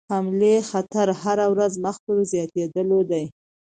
حملې خطر هره ورځ مخ پر زیاتېدلو دی.